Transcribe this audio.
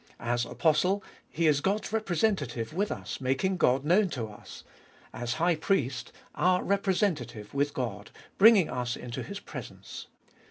As Apostle He is God's Representative with us, making God known to us ; as High Priest, our Representative with God, bringing us into His presence.